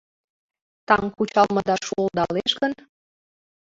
Таҥ кучалмыда шуылдалеш гын